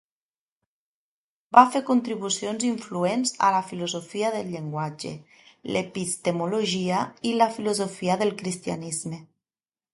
Va fer contribucions influents a la filosofia del llenguatge, l'epistemologia, i la filosofia del cristianisme.